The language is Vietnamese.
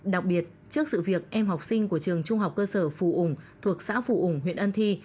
đặc biệt trước sự việc em học sinh của trường trung học cơ sở phù ủng thuộc xã phù ủng huyện ân thi